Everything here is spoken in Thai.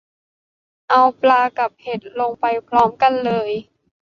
เอาปลากับเห็ดลงไปพร้อมกันเลย